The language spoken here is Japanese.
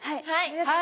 はい。